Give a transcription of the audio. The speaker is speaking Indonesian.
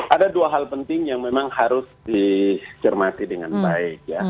ada dua hal penting yang memang harus dicermati dengan baik